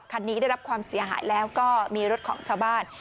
คันนี้ได้รับความเสียหายแล้วก็มีรถของชาวบ้าน